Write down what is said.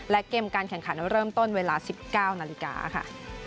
และเกมการแข่งขันเริ่มต้นเวลา๑๙นาฬิกาค่ะ